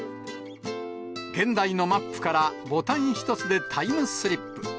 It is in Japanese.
現代のマップからボタン一つでタイムスリップ。